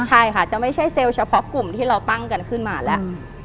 ใช่ค่ะจะไม่ใช่เซลล์เฉพาะกลุ่มที่เราตั้งกันขึ้นมาแล้ว